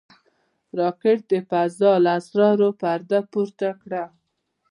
راکټ د فضا له اسرارو پرده پورته کړه